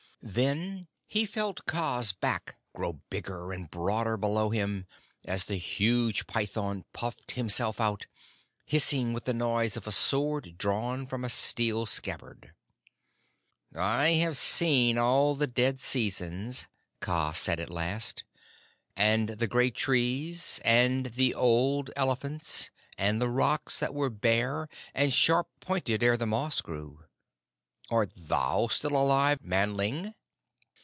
Then he felt Kaa's back grow bigger and broader below him as the huge python puffed himself out, hissing with the noise of a sword drawn from a steel scabbard. "I have seen all the dead seasons," Kaa said at last, "and the great trees and the old elephants, and the rocks that were bare and sharp pointed ere the moss grew. Art thou still alive, Manling?"